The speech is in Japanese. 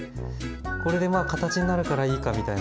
これでまあ形になるからいいかみたいな。